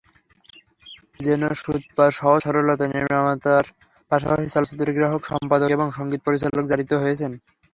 যেন সুতপার সহজ-সরলতায় নির্মাতার পাশাপাশি চলচ্চিত্রগ্রাহক, সম্পাদক এবং সংগীত পরিচালক জারিত হয়েছেন।